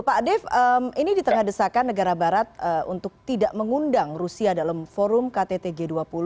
pak dave ini ditengah desakan negara barat untuk tidak mengundang rusia dalam forum kttg dua puluh